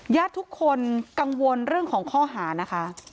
ญาติทุกคนกังวลเรื่องของข้อหานะคะ